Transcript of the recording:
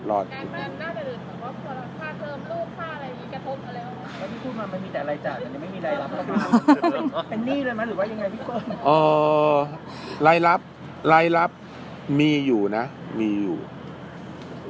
รายรับมีรายรับได้ค่ะเรามีอยู่นะ